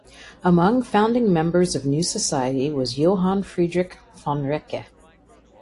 Among founding members of new society was Johann Friedrich von Recke.